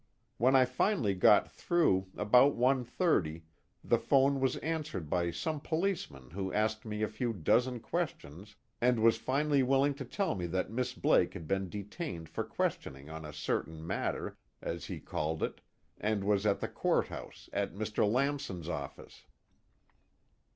When I finally got through, about one thirty, the phone was answered by some policeman who asked me a few dozen questions and was finally willing to tell me that Miss Blake had been detained for questioning on a certain matter, as he called it, and was at the courthouse, at Mr. Lamson's office."